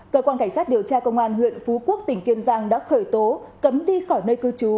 cơ quan cảnh sát điều tra công an huyện phú quốc tỉnh kiên giang đã khởi tố cấm đi khỏi nơi cư trú